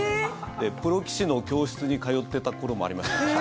プロ棋士の教室に通ってた頃もありました。